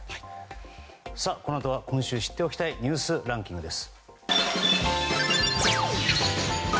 このあとは今週知っておきたいニュースランキングです。